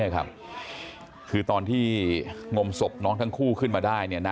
คือตอนที่งมศพน้องทั้งคู่ขึ้นมาได้